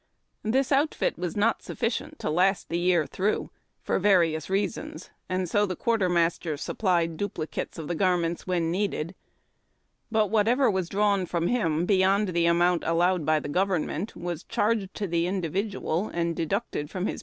This outfit was not sufficient to last the year through, for various reasons, and so the quartermaster supplied dupli cates of the garments when needed. But whatever was drawn from him beyond the amount allowed by the govern ment was charged to the individual, and deducted from his 316 SCATTERING SHOTS.